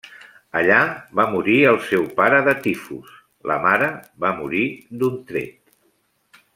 Allà va morir el seu pare de tifus, la mare va morir d'un tret.